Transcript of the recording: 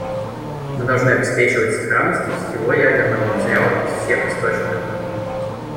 Мы должны обеспечивать сохранность всего ядерного материала из всех источников.